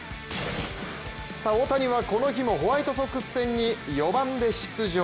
大谷はこの日もホワイトソックス戦に４番で出場。